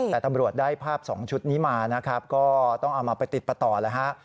แต่ตำรวจได้ภาพสองชุดนี้มานะครับก็ต้องเอามาประติดประต่อแล้วฮะ